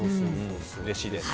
うれしいです。